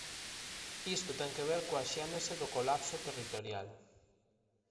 Isto ten que ver coa xénese do colapso territorial.